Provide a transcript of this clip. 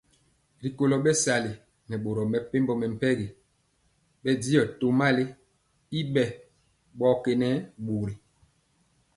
Rikolo bɛsali nɛ boro mepempɔ mɛmpegi bɛndiɔ tomali y bɛ bɔkenɛ bori.